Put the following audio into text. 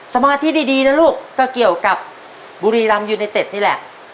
สมาธิดีนะลูกก็เกี่ยวกับบุรีรำยูไนเต็ดนี่แหละ